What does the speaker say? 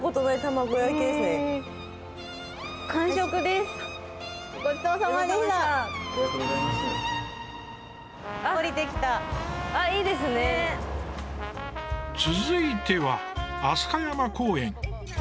すごい！続いては、飛鳥山公園。